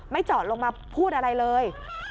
จอดลงมาพูดอะไรเลย